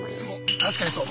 確かにそう。